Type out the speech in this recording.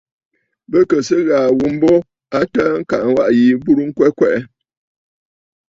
Bɨ kɨ̀ sɨ ghàà ghu mbo a təə kaa waʼà yi burə ŋkwɛ kwɛʼɛ.